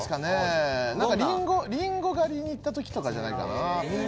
りんご狩りに行った時とかじゃないかな。